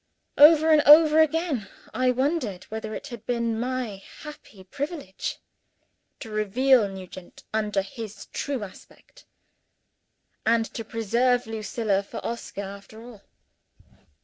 Over and over again, I wondered whether it had been my happy privilege to reveal Nugent under his true aspect, and to preserve Lucilla for Oscar after all.